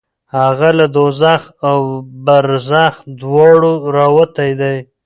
هغه له دوزخ او برزخ دواړو راوتی دی.